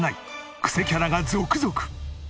クセキャラが続々！